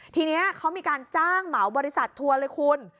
ทีนี้เขามีการจ้างเหมาบริษัททัวร์เลยคุณ